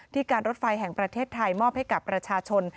การรถไฟแห่งประเทศไทยมอบให้กับประชาชน